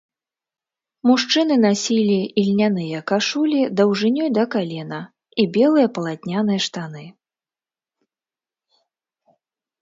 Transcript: Мужчыны насілі ільняныя кашулі даўжынёй да калена і белыя палатняныя штаны.